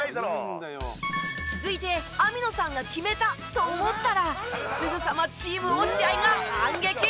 続いて網野さんが決めた！と思ったらすぐさまチーム落合が反撃。